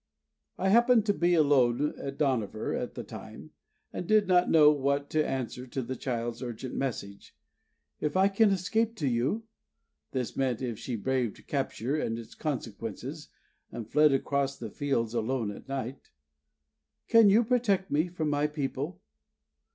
I happened to be alone at Dohnavur at the time, and did not know what to answer to the child's urgent message: "If I can escape to you" (this meant if she braved capture and its consequences, and fled across the fields alone at night), "can you protect me from my people?"